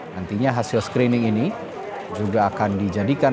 nantinya hasil screening ini juga akan dijadikan